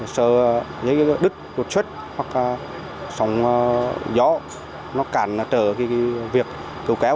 sờ dây đứt đột xuất hoặc sòng gió nó cản trở việc cứu kéo